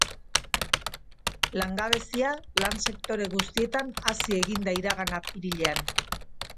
Langabezia lan sektore guztietan hazi egin da iragan apirilean.